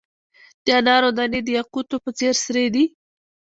د انارو دانې د یاقوتو په څیر سرې دي.